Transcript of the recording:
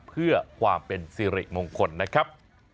เพื่อความเป็นสิริมงคลนะครับ